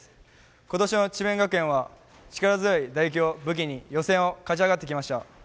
今年の智弁学園は力強い打撃を武器に予選を勝ち上がってきました。